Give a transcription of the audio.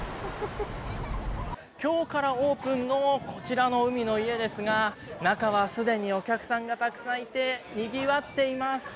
今日からオープンのこちらの海の家ですが中はすでにお客さんがたくさんいてにぎわっています。